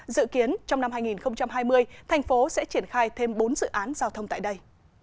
dự kiến trong năm hai nghìn hai mươi thành phố sẽ triển khai thêm bốn dự án giao thông tại đây